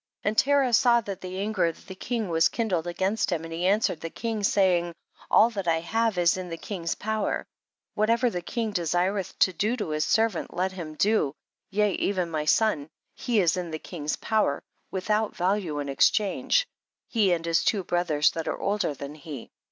28. And Terah saw that the an ger of the king was kindled against him, and lie answered the king, say ing, all that I have is in the king's power ; whatever the king desireth to do to his servant, that let him do, yea, even mv son, he is in the king's power, without value in exchange, he and his two brothers that are older than he.